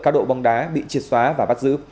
cao độ bóng đá bị triệt xóa và bắt giữ